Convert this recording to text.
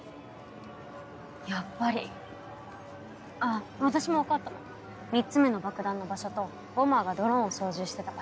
あっ私も分かったの３つ目の爆弾の場所とボマーがドローンを操縦してた場所。